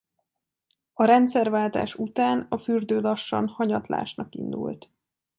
A rendszerváltás után a fürdő lassan hanyatlásnak indult.